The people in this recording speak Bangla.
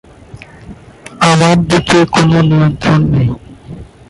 আমার দিকে কোনো নিয়ন্ত্রণ নেই।